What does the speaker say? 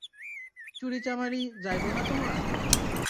চুরি চামারি, যাইবোনা তোমার।